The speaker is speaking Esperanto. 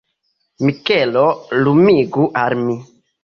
Mikelo, lumigu al mi.